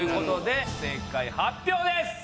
正解発表です。